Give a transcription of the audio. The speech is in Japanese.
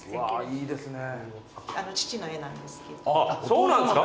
そうなんすか？